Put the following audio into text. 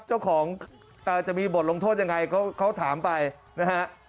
จะมีบทลงโทษยังไงเขาถามไปนะฮะ